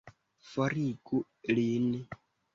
Forigu lin!